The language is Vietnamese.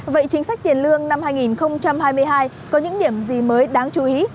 vậy chính sách tiền lương năm hai nghìn hai mươi hai có những điểm gì mới đáng chú ý